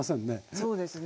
そうですね。